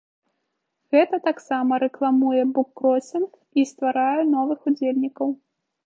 Гэта таксама рэкламуе буккросінг і стварае новых удзельнікаў.